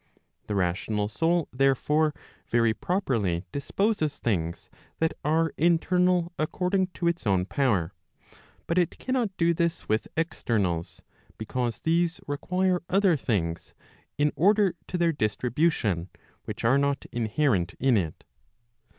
The rational soul therefore very properly disposes things that are internal according to its own power, but it cannot do this with externals, because these require other things in order to their distribution, which are not inherent in it.